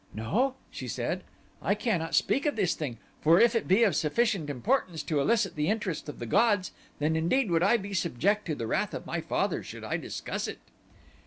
"No," she said, "I cannot speak of this thing, for if it be of sufficient importance to elicit the interest of the gods then indeed would I be subject to the wrath of my father should I discuss it."